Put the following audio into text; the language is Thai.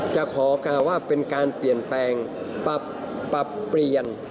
จะขอกล่าวว่าเป็นการเปลี่ยนแปลงปรับเปลี่ยน